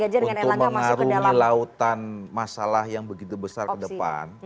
jadi untuk mengarungi lautan masalah yang begitu besar ke depan